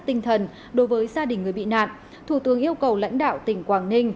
tinh thần đối với gia đình người bị nạn thủ tướng yêu cầu lãnh đạo tỉnh quảng ninh